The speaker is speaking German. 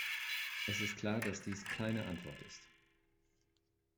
Es ist klar, dass dies keine Antwort ist.